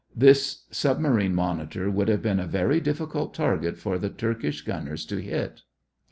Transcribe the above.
This submarine monitor would have been a very difficult target for the Turkish gunners to hit.